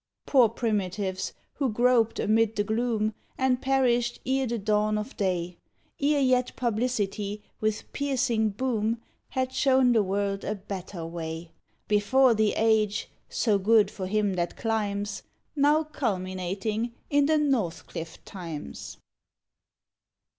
Poor primitives, who groped amid the gloom And perished ere the dawn of day, Ere yet Publicity, with piercing boom, Had shown the world a better way; Before the age so good for him that climbs Now culminating in the NORTHCLIFFE times.